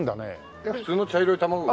いや普通の茶色い卵を。